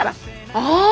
ああ！